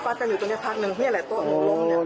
ฟัดกันอยู่ตรงนี้พักหนึ่งนี่แหละต้นล้ม